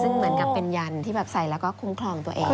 ซึ่งเหมือนกับเป็นยันที่แบบใส่แล้วก็คุ้มครองตัวเอง